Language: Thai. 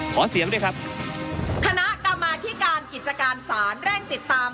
ขอเสียงด้วยครับคณะกรรมาธิการกิจการศาลเร่งติดตาม